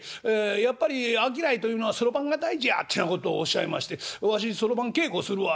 『やっぱり商いというのはそろばんが大事や』てなことをおっしゃいまして『わしそろばん稽古するわ』